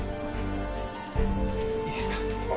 いいですか？